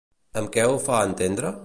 Amb què ho fa entendre?